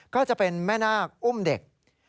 ก็จะเป็นแม่นาคอุ้มเด็ก